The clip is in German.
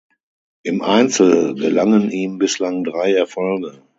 Im Einzel gelangen ihm bislang drei Erfolge.